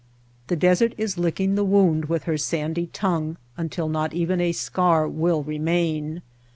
The desert is licking the wound with her sandy tongue until not even a scar will remain.